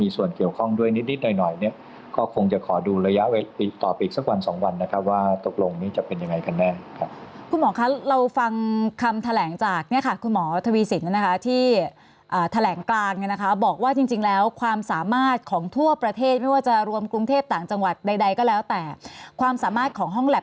ส่วนเกี่ยวข้องด้วยนิดหน่อยหน่อยเนี่ยก็คงจะขอดูระยะต่อไปอีกสักวันสองวันนะครับว่าตกลงนี้จะเป็นยังไงกันแน่ครับคุณหมอคะเราฟังคำแถลงจากเนี่ยค่ะคุณหมอทวีสินนะคะที่แถลงกลางเนี่ยนะคะบอกว่าจริงแล้วความสามารถของทั่วประเทศไม่ว่าจะรวมกรุงเทพต่างจังหวัดใดก็แล้วแต่ความสามารถของห้องแ